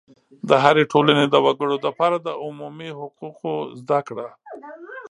د هرې ټولنې د وګړو دپاره د عمومي حقوقو زده کړه